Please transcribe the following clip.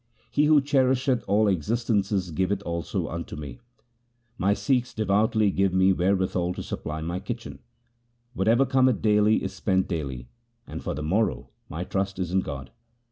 He who cherisheth all existences giveth also unto me. My Sikhs devoutly give me wherewithal to supply my kitchen. What ever cometh daily is spent daily, and for the morrow my trust is in God.'